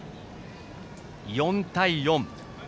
４対４。